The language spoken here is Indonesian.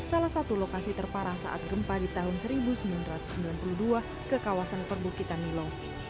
salah satu lokasi terparah saat gempa di tahun seribu sembilan ratus sembilan puluh dua ke kawasan perbukitan nilo